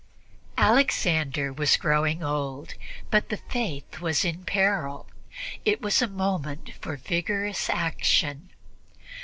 Alexander was growing old, but the Faith was in peril; it was a moment for vigorous action.